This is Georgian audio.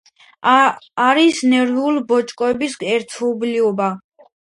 არის ნერვული ბოჭკოების ერთობლიობა.